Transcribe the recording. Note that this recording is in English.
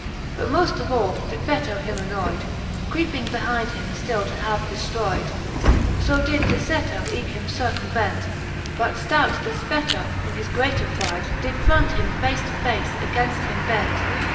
But moft of all Defetto him annoyde. Creeping behinde him ftill to have deftroyde : So did Decetto eke him circumvent; But ftout DefpettOy in his greater pryde. Did front him face to face againft him bent.